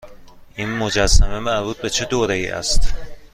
این مجسمه مربوط به چه دوره ای است؟